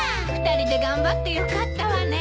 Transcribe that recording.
２人で頑張ってよかったわね。